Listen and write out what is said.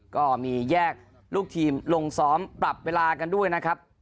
ก็มีแยกลูกทีมลงซ้อมปรับเวลากันด้วยนะครับ